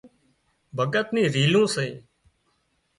ڀڳت نِي رِيلون سي